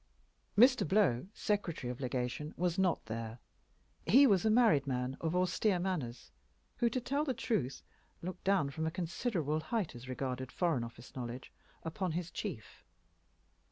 Mr. Blow, Secretary of Legation, was not there. He was a married man of austere manners, who, to tell the truth, looked down from a considerable height, as regarded Foreign Office knowledge, upon his chief.